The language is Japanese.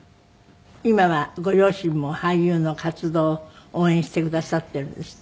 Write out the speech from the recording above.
今はご両親も俳優の活動を応援してくださっているんですって？